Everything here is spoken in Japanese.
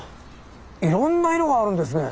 いろんな色があるんですね。